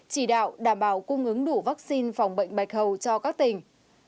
chỉ đạo đảm bảo cung ứng đủ vaccine phòng bệnh bạch hầu cho các tỉnh